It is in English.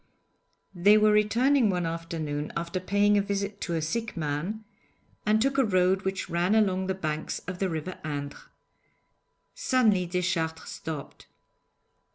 They were returning one afternoon after paying a visit to a sick man and took a road which ran along the banks of the river Indre. Suddenly Deschartres stopped.